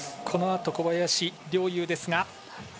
このあと小林陵侑ですが。